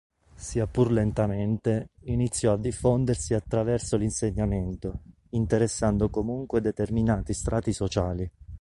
Sia pur lentamente, iniziò a diffondersi attraverso l'insegnamento, interessando comunque determinati strati sociali.